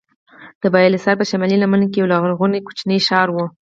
د بالاحصار په شمالي لمنه کې یو لرغونی کوچنی ښار و.